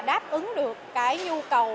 đáp ứng được cái nhu cầu